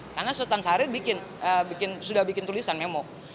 karena sultan syahril bikin sudah bikin tulisan memo